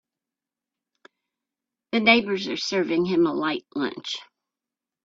The neighbors are serving him a light lunch.